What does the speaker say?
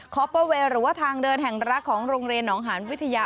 ขอประเวลว่าทางเดินแห่งรักของโรงเรียนหนองหารวิทยา